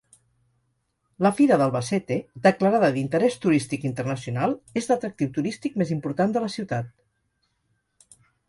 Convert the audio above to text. La Fira d'Albacete, declarada d'interès turístic internacional, és l'atractiu turístic més important de la ciutat.